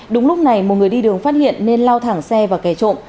đúng lúc này một người đi đường phát hiện nên lao thẳng xe và kẻ trộm